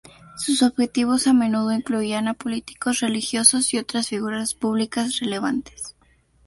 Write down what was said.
Sus objetivos a menudo incluían a políticos, religiosos, y otras figuras públicas relevantes.